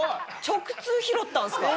直通拾ったんですか？